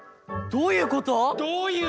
・どういうこと？